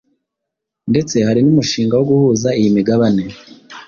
ndetse hari n’umushinga wo guhuza iyi migabane